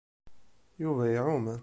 Yuba iɛum.